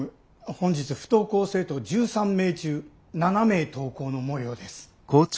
本日不登校生徒１３名中７名登校のもようです。